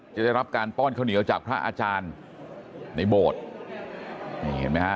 จะได้รับการป้อนข้าวเหนียวจากพระอาจารย์ในโบสถ์นี่เห็นไหมฮะ